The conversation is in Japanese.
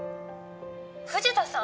「藤田さん？」